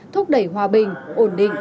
thúc đẩy hòa bình ổn định